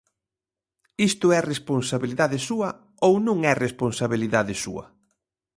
¿Isto é responsabilidade súa ou non é responsabilidade súa?